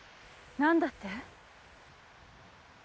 何だって？